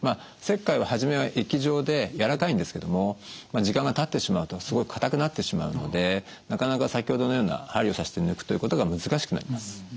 石灰は初めは液状でやわらかいんですけども時間がたってしまうとすごいかたくなってしまうのでなかなか先ほどのような針を刺して抜くということが難しくなります。